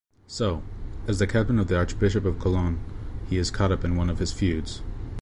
So, as the captain of the Archbishop of Cologne, he is caught up in one of his feuds.